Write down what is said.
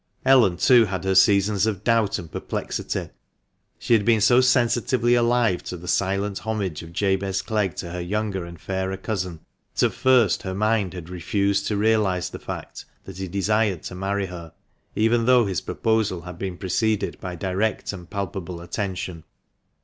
Ellen, too, had her seasons of doubt and perplexity. She had been so sensitively alive to the silent homage of Jabez Clegg to her younger and fairer cousin that at first her mind had refused to realise the fact that he desired to marry her, even though his proposal had been preceded by direct and palpable attention.